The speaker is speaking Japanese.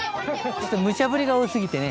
ちょっとむちゃぶりが多すぎてね。